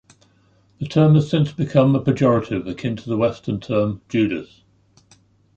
The term has since become a pejorative akin to the western term "Judas".